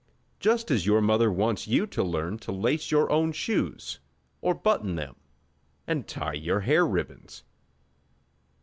Just as your mother wants you to learn to lace your own shoes, or button them, and tie your hair ribbons.